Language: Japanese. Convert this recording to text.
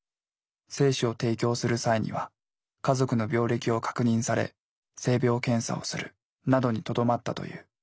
精子を提供する際には家族の病歴を確認され性病検査をするなどにとどまったという。